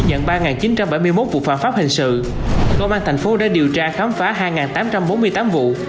nhận ba chín trăm bảy mươi một vụ phản pháp hình sự công an thành phố đã điều tra khám phá hai tám trăm bốn mươi tám vụ